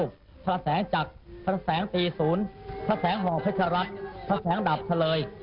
พระบาทแต่ก็แสงแบ่งทำเพื่อศร้ายร้องเกี่ยว